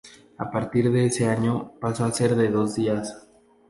A partir de ese año, pasó a ser de dos días.